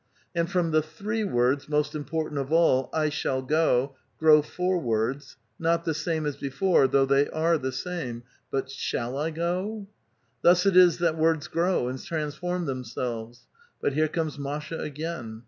And from the three words, most important of all, " I shall go," grow four words, not the same as before, though they are the same, '* But shall I go?" Thus it is that words grow, and transform themselves. But here comes Masha again.